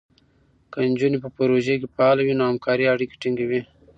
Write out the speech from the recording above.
که نجونې په پروژو کې فعاله وي، نو همکارۍ اړیکې ټینګېږي.